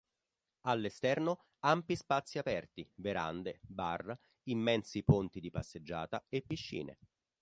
All'esterno ampi spazi aperti, verande, bar, immensi ponti di passeggiata e piscine.